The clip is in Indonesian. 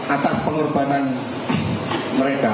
atas pengorbanan mereka